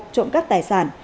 trộm các tài sản